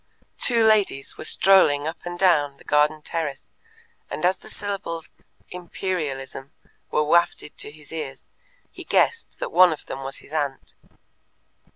Two ladies were strolling up and down the garden terrace, and as the syllables "Imperialism" were wafted to his ears, he guessed that one of them was his aunt.